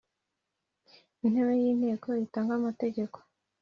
intebe y’inteko itange amategeko